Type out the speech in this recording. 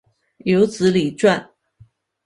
有子李撰。